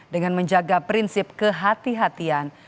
dengan menjaga prinsip kehatian